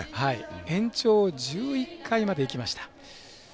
延長１１回までいきました。